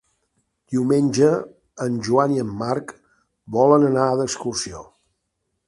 Diumenge en Joan i en Marc volen anar d'excursió.